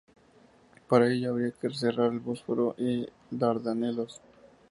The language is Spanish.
Para ello había que cerrar el Bósforo y los Dardanelos.